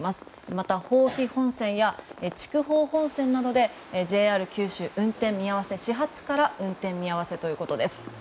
また豊肥本線、筑豊本線などでＪＲ九州、運転見合わせ始発から運転見合わせということです。